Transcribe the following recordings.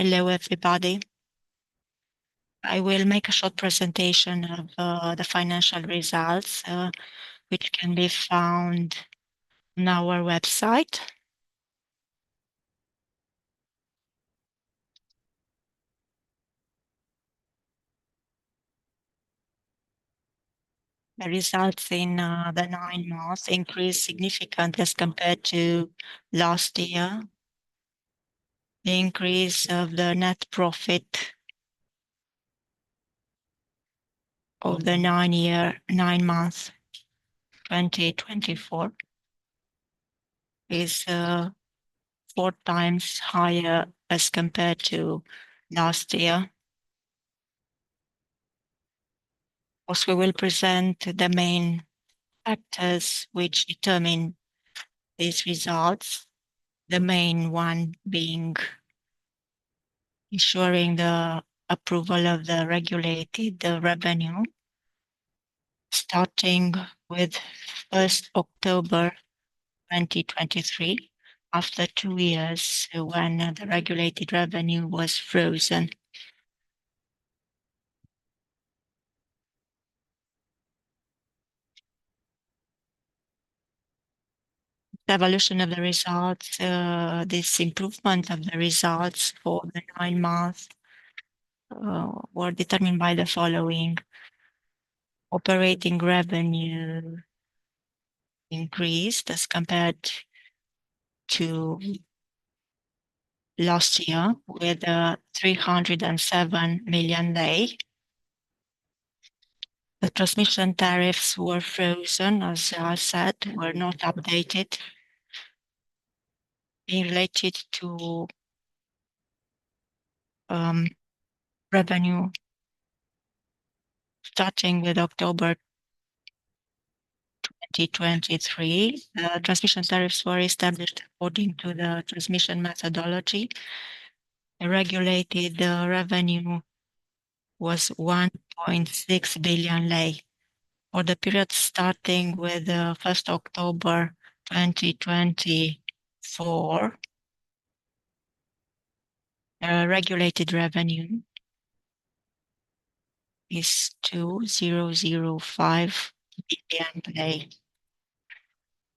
Hello everybody. I will make a short presentation of the financial results, which can be found on our website. The results in the nine months increased significantly as compared to last year. The increase of the net profit over the nine months 2024 is four times higher as compared to last year. Of course, we will present the main factors which determine these results, the main one being ensuring the approval of the regulated revenue, starting with 1st October 2023, after two years when the regulated revenue was frozen. The evolution of the results, this improvement of the results for the nine months, were determined by the following: operating revenue increased as compared to last year with RON 307 million. The transmission tariffs were frozen, as I said, were not updated. Being related to revenue, starting with October 2023, transmission tariffs were established according to the transmission methodology. The regulated revenue was RON 1.6 billion for the period starting with 1st October 2024. The regulated revenue is RON 2,005 million.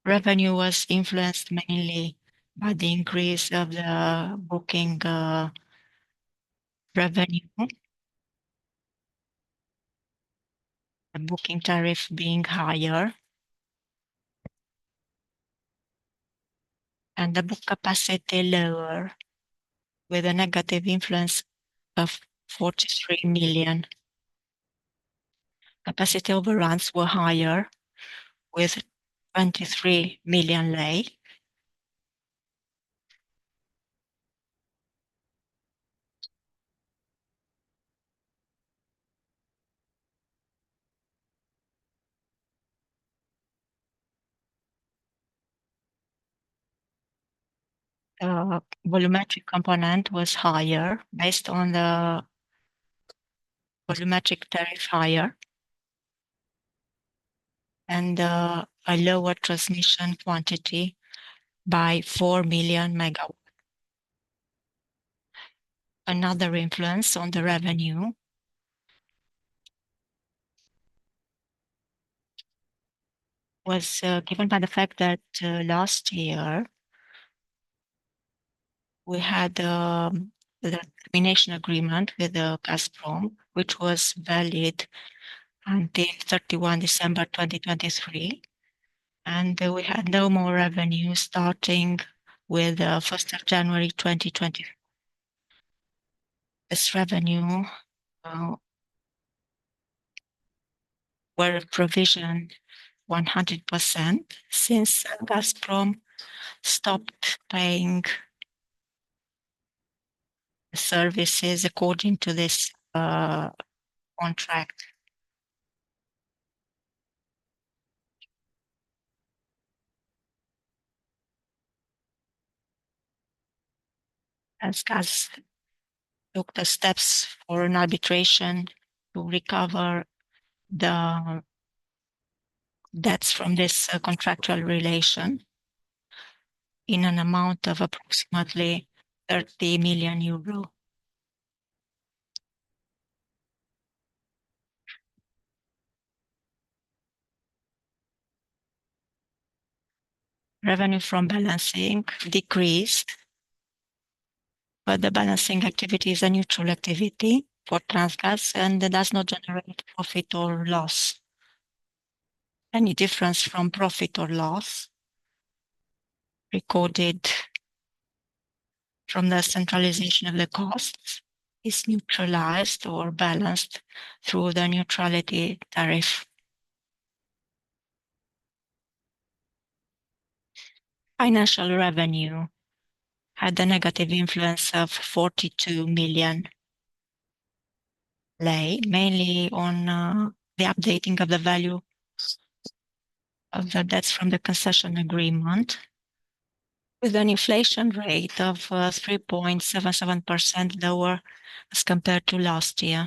Revenue was influenced mainly by the increase of the booking revenue, the booking tariff being higher, and the booked capacity lower, with a negative influence of RON 43 million. Capacity overruns were higher, with RON 23 million. The volumetric component was higher, based on the volumetric tariff higher, and a lower transmission quantity by 4 million megawatts. Another influence on the revenue was given by the fact that last year we had the termination agreement with Gazprom, which was valid until 31 December 2023, and we had no more revenue starting with 1st of January 2024. This revenue was provisioned 100% since Gazprom stopped paying services according to this contract. As Gazprom took the steps for an arbitration to recover the debts from this contractual relation in an amount of approximately 30 million EUR. Revenue from balancing decreased, but the balancing activity is a neutral activity for Transgaz, and it does not generate profit or loss. Any difference from profit or loss recorded from the centralization of the costs is neutralized or balanced through the neutrality tariff. Financial revenue had a negative influence of 42 million RON, mainly on the updating of the value of the debts from the concession agreement, with an inflation rate of 3.77% lower as compared to last year.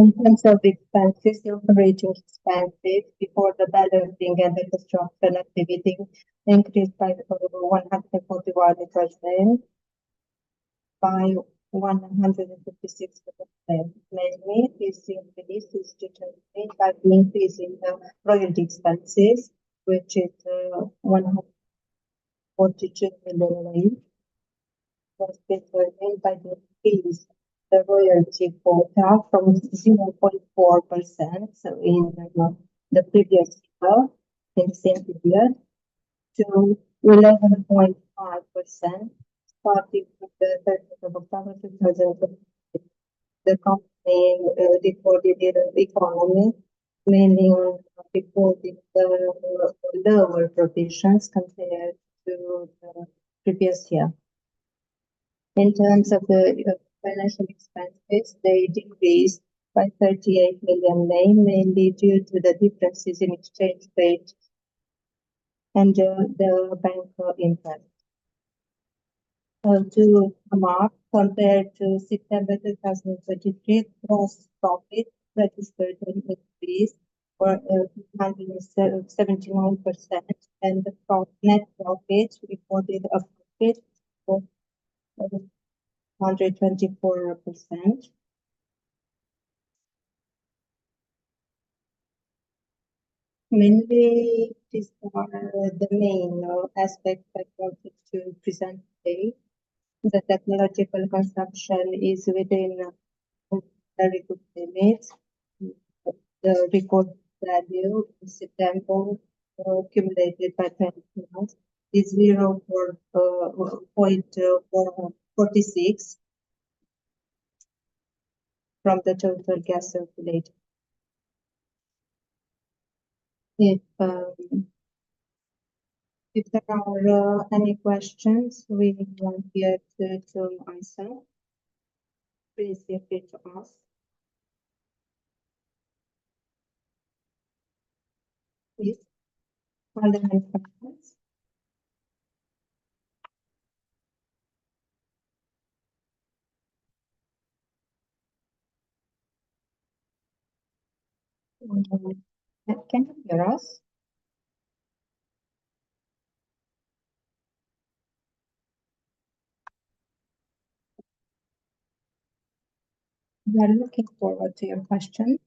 In terms of expenses, the operating expenses before the balancing and the construction activity increased by 141% by 156%. Mainly, this increase is determined by the increase in the royalty expenses, which is 142 million RON. It was determined by the increase in the royalty quota from 0.4% in the previous year in the same period to 11.5% starting with 30 October 2023. The company reported economy mainly on reporting the lower provisions compared to the previous year. In terms of the financial expenses, they decreased by 38 million RON, mainly due to the differences in exchange rate and the bank interest. To mark, compared to September 2023, gross profit registered an increased by 279%, and the net profit reported of profit was 124%. Mainly, these are the main aspects I wanted to present today. The technological consumption is within very good limits. The recorded value in September, accumulated by 20 months, is 0.46 from the total gas circulated. If there are any questions we won't get to answer, please feel free to ask. Please. Are there any questions? Can you hear us? We are looking forward to your questions.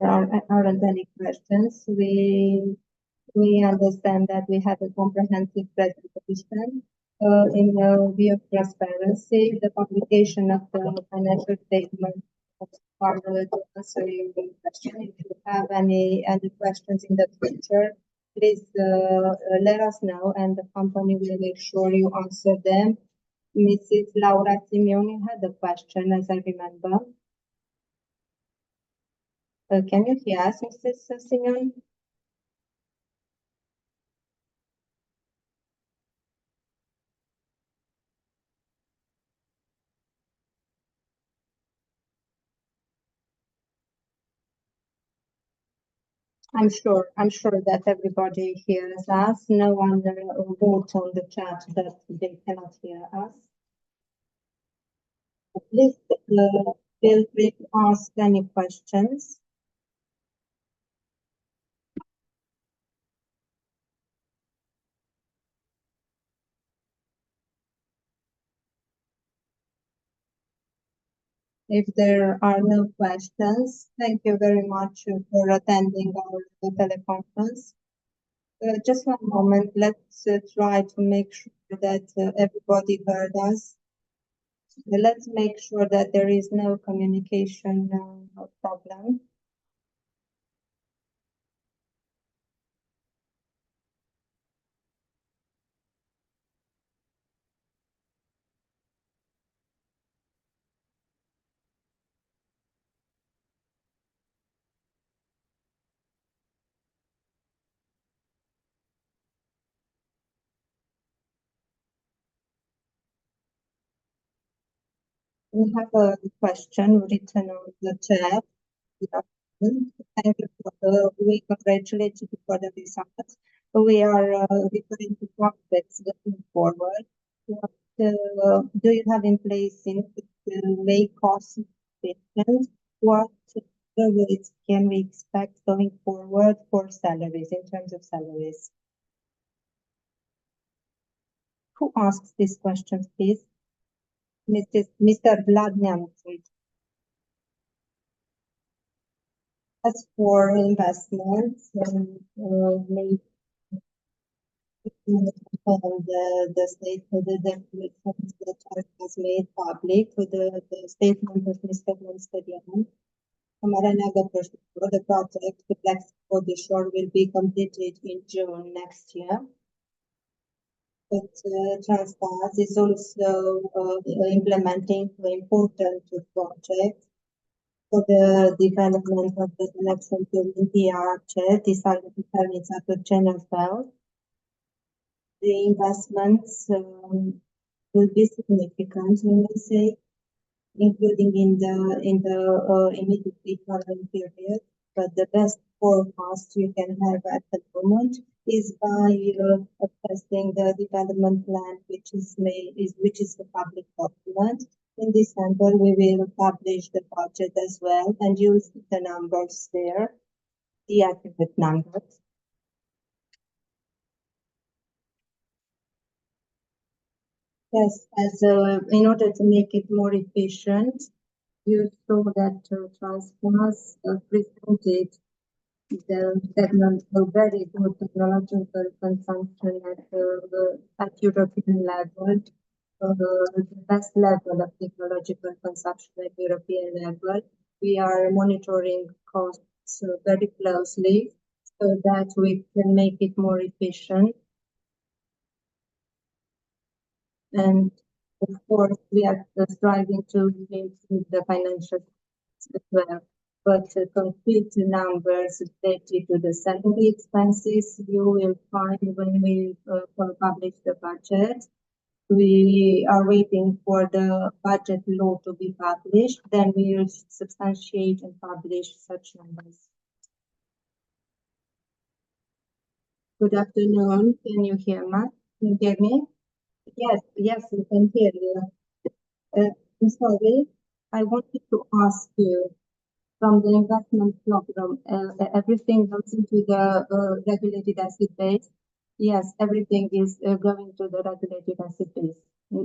There are any questions? We understand that we have a comprehensive presentation. In view of transparency, the publication of the financial statement was part of the answering questions. If you have any other questions in the future, please let us know, and the company will make sure you answer them. Mrs. Laura Simion had a question, as I remember. Can you hear us, Mrs. Laura Simion? I'm sure that everybody hears us. No one wrote on the chat that they cannot hear us. Please feel free to ask any questions. If there are no questions, thank you very much for attending our teleconference. Just one moment. Let's try to make sure that everybody heard us. Let's make sure that there is no communication problem. We have a question written on the chat. We congratulate you for the results. We are referring to projects going forward. What do you have in place to make cost efficient? What levels can we expect going forward for salaries, in terms of salaries? Who asked this question, please? Mr. Vladnya. As for investments, we made the statement that the chart has made public with the statement of Mr. Sterian. Another question for the project. The Black Sea-Podișor pipeline will be completed in June next year. But Transgaz is also implementing important projects for the development of the connection to the DRC, the Southern Defense and the Channel Belt. The investments will be significant, I would say, including in the immediate current period. But the best forecast you can have at the moment is by accessing the development plan, which is the public document. In December, we will publish the budget as well and use the numbers there, the accurate numbers. Yes, in order to make it more efficient, you saw that Transgaz presented very good technological consumption at the European level, the best level of technological consumption at the European level. We are monitoring costs very closely so that we can make it more efficient. And of course, we are striving to improve the financial status. But complete numbers related to the salary expenses, you will find when we publish the budget. We are waiting for the budget law to be published. Then we will substantiate and publish such numbers. Good afternoon. Can you hear me? Can you hear me? Yes, yes, we can hear you. I'm sorry. I wanted to ask you, from the investment program, everything goes into the regulated asset base? Yes, everything is going to the regulated asset base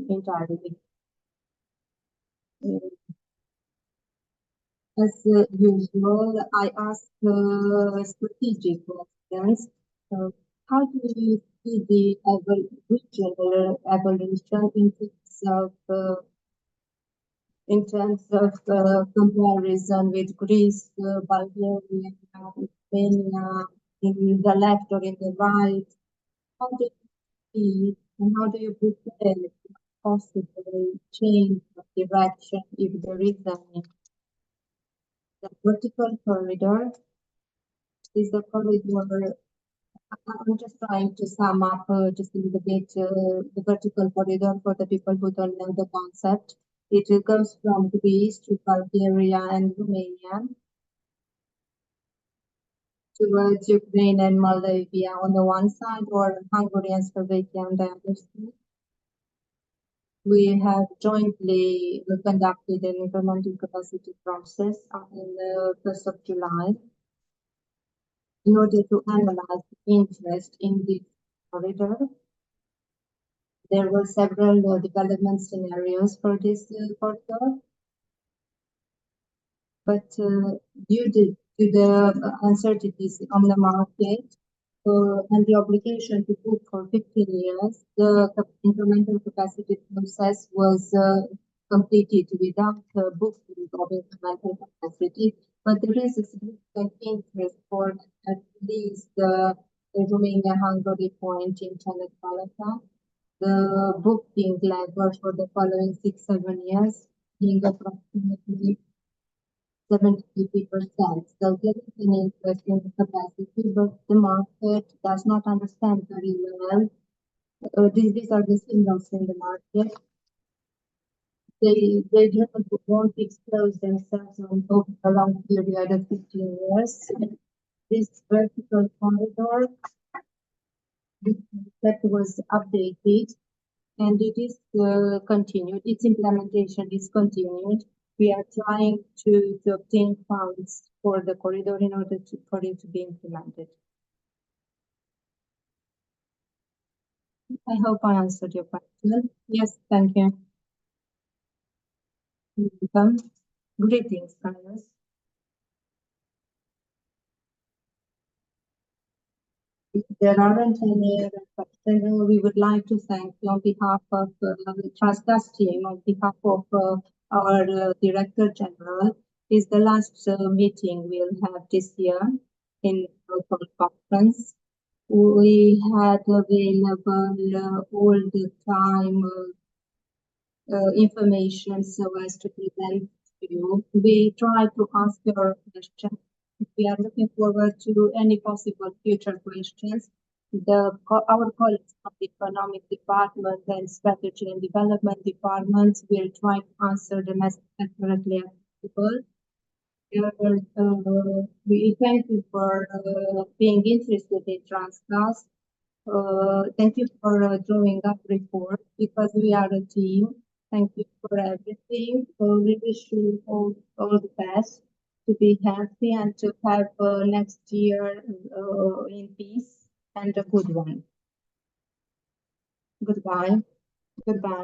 entirely. As usual, I ask strategic questions. How do you see the regional evolution in terms of comparison with Greece, Bulgaria, and Spain in the left or in the right? How do you see and how do you predict possible change of direction if there is any? The Vertical Corridor is a corridor I'm just trying to sum up just a little bit. The Vertical Corridor, for the people who don't know the concept, it comes from Greece to Bulgaria and Romania towards Ukraine and Moldova on the one side or Hungary and Slovakia on the other side. We have jointly conducted an implementing capacity process on the 1st of July. In order to analyze the interest in this corridor, there were several development scenarios for this corridor. Due to the uncertainties on the market and the obligation to book for 15 years, the incremental capacity process was completed without booking of incremental capacity. There is a significant interest for at least the Romania-Hungary point in Csanádpalota. The booking level for the following six, seven years being approximately 70%. There is an interest in the capacity, but the market does not understand very well. These are the signals in the market. They don't expose themselves over a long period of 15 years. This Vertical Corridor that was updated and it is continued. Its implementation is continued. We are trying to obtain funds for the corridor in order for it to be implemented. I hope I answered your question. Yes, thank you. Greetings, Caius. There aren't any other questions. We would like to thank you on behalf of the Transgaz team, on behalf of our Director General. It's the last meeting we'll have this year in the local conference. We had available all the time information so as to present to you. We try to answer your questions. We are looking forward to any possible future questions. Our colleagues from the Economic Department and Strategy and Development Departments will try to answer them as accurately as possible. We thank you for being interested in Transgaz. Thank you for drawing up reports because we are a team. Thank you for everything. We wish you all the best to be healthy and to have next year in peace and a good one. Goodbye.Goodbye.